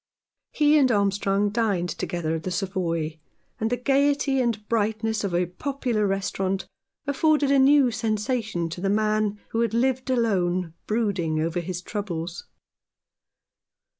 He and Armstrong dined together at the Savoy, and the gaiety and brightness of a popular restaurant afforded a new sensation to the man who had lived alone, brooding over his troubles.